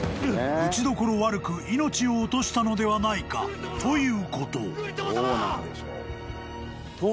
［打ちどころ悪く命を落としたのではないかということ］